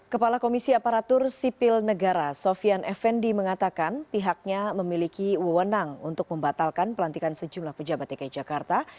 kepala komisi aparatur sipil negara sofian effendi mengatakan pihaknya memiliki wewenang untuk membatalkan pelantikan sejumlah pejabat dki jakarta